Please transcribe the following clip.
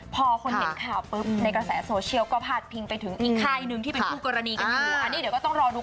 พอคนเห็นค่าปุ๊บในกระแสโซเชียลก็พาดพิงไปถึงอีกข้าวนึงที่เป็นผู้กรณีกันอยู่